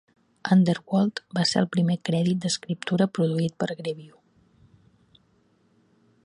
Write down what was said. Underworld va ser el primer crèdit d'escriptura produït per Grevioux.